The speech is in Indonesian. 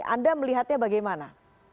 anda melihatnya bagaimana